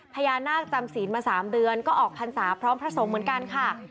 พญานาคจำศีลมา๓เดือนก็ออกพรรษาพร้อมพระสงฆ์เหมือนกันค่ะ